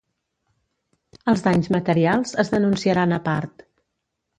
Els danys materials es denunciaran a part.